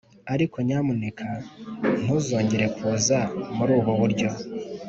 ariko nyamuneka ntuzongere kuza muri ubu buryo,